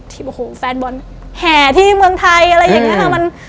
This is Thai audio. โอ้โหแฟนบอลแห่ที่เมืองไทยอะไรอย่างนี้ค่ะ